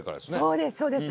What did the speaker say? そうですそうです。